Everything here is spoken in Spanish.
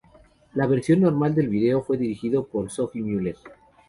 La versión normal del video fue dirigido por Sophie Muller.